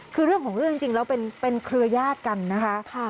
คือเรื่องของเรื่องจริงแล้วเป็นเครือยาศกันนะคะ